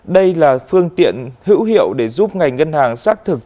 đây là phương tiện hữu hiệu để giúp ngành ngân hàng xác thực